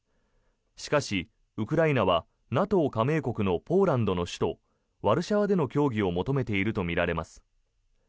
しかし、ウクライナはＮＡＴＯ加盟国のポーランドの首都ワルシャワでの協議を求めているとみられます。